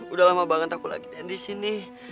udah lama banget aku lagi main di sini